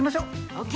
ＯＫ。